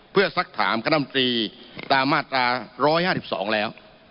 เพื่อสักถามคณะมตรีตามมาตรา๑๕๒แล้ว